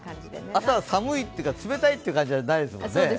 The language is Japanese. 朝寒いというか冷たいっていう感じはないですもんね。